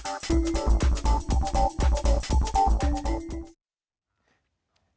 สวัสดีตอนธรรมดา